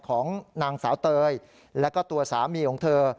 ของนางสาวเตยแล้วก็ตัวสามีของเธอ